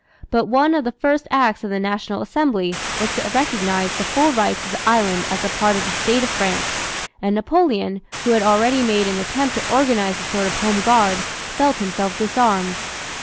But one of the first acts of the National Assembly was to recognize the full rights of the island as a part of the State of France; and Napoleon, who had already made an attempt to organize a sort of Home Guard, felt himself disarmed.